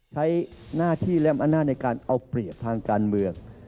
ใช้หน้าที่และอำนาจในการเอาเปรียบทางการเมือง